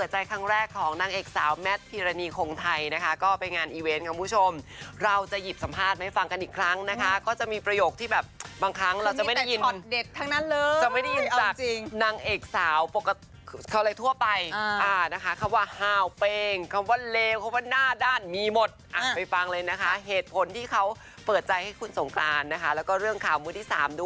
ให้คุณสงกรานนะฮะแล้วก็เรื่องข่าวมุ้ยที่สาม